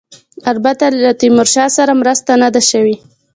البته له تیمورشاه سره مرسته نه ده شوې.